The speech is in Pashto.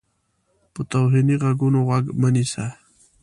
په توهیني غږونو غوږ مه نیسه.